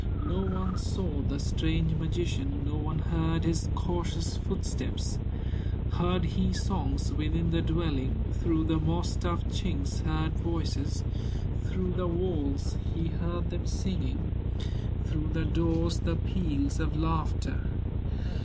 No one saw the strange magician, No one heard his cautious footsteps; Heard he songs within the dwelling, Through the moss stuffed chinks heard voices, Through the walls he heard them singing, Through the doors the peals of laughter.